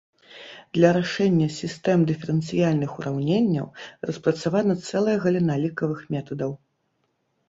Для рашэння сістэм дыферэнцыяльных ураўненняў распрацавана цэлая галіна лікавых метадаў.